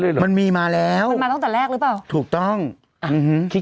เหรอมันมีมาแล้วมันมาตั้งแต่แรกหรือเปล่าถูกต้องอืมคิด